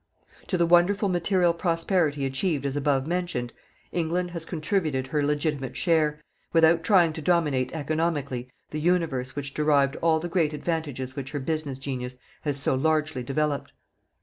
To the wonderful material prosperity achieved as above explained, England has contributed her legitimate share, without trying to dominate economically the universe which derived all the great advantages which her business genius has so largely developed.